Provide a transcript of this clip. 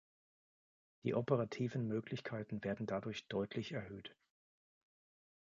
Die operativen Möglichkeiten werden dadurch deutlich erhöht.